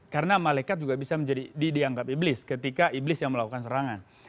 karena malaikat juga bisa dianggap iblis ketika iblis yang melakukan serangan